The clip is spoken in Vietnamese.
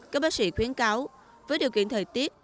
các bác sĩ khuyến cáo với điều kiện thời tiết